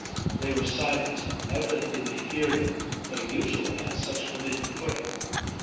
They were silent; evidently they feared him, though usually on such familiar footing.